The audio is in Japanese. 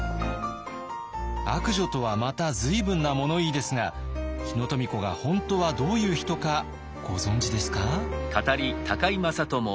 「悪女」とはまた随分な物言いですが日野富子が本当はどういう人かご存じですか？